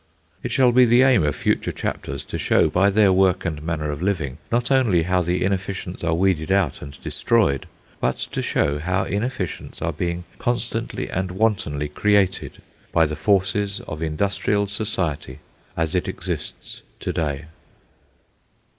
It shall be the aim of future chapters to show, by their work and manner of living, not only how the inefficients are weeded out and destroyed, but to show how inefficients are being constantly and wantonly created by the forces of industrial society as it exists to day.